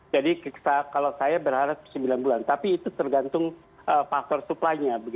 jadi kalau saya berharap sembilan bulan tapi itu tergantung faktor suplainya